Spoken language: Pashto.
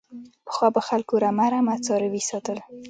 پخوا به خلکو رمه رمه څاروي ساتل.